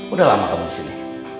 udah lama kamu disini